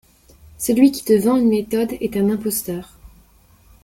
Celui qui te vend une méthode est un imposteur.